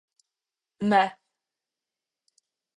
Meth.